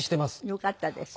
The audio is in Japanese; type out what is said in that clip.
よかったです。